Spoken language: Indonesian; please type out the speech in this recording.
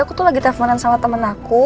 aku tuh lagi teleponan sama temen aku